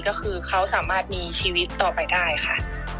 ก็คือเขาสามารถมีชีวิตต่อไปได้ค่ะ